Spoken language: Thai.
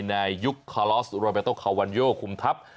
ในยุคคาลอสโรเบโตคาวันโยคุมทัพ